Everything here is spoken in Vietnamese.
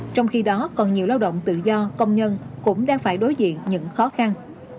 trong khi đó còn nhiều lao động tự do công nhân cũng đang phải đối diện những khó khăn